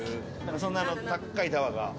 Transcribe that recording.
そんなたっかいタワーが。